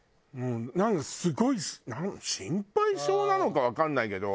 なんかすごい心配性なのかわからないけど。